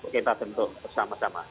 kita tentu bersama sama